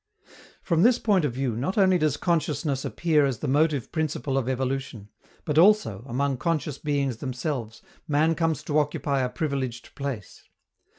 From this point of view, not only does consciousness appear as the motive principle of evolution, but also, among conscious beings themselves, man comes to occupy a privileged place.